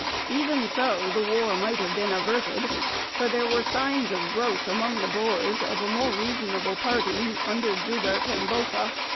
Even so, the war might have been averted, for there were signs of growth among the Boers of a more reasonable party under Joubert and Botha.